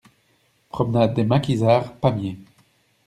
Promenade des Maquisards, Pamiers